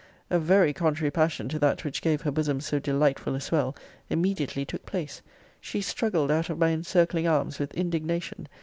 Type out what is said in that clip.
A very contrary passion to that which gave her bosom so delightful a swell, immediately took place. She struggled out of my encircling arms with indignation.